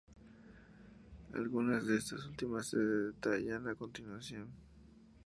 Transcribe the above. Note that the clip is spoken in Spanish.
Algunas de estas últimas se detallan a continuación.